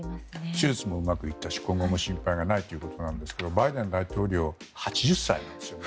手術もうまくいったし今後も心配ないということなんですけどバイデン大統領８０歳ですよね。